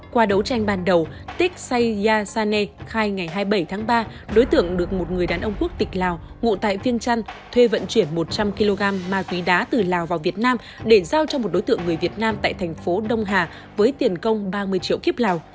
qua đấu tranh ban đầu tích say ya sane khai ngày hai mươi bảy tháng ba đối tượng được một người đàn ông quốc tịch lào ngụ tại viêng trăn thuê vận chuyển một trăm linh kg ma túy đá từ lào vào việt nam để giao cho một đối tượng người việt nam tại thành phố đông hà với tiền công ba mươi triệu kiếp lào